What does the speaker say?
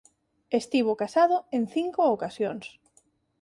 Estivo casado en cinco ocasións.